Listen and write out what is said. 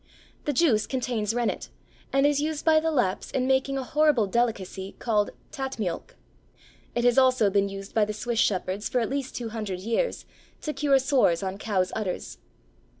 The juice contains rennet, and is used by the Lapps in making a horrible delicacy called Tätmiölk. It has also been used by the Swiss shepherds for at least two hundred years, to cure sores on cows' udders.